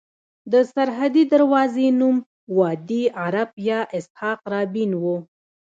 د سرحدي دروازې نوم وادي عرب یا اسحاق رابین وو.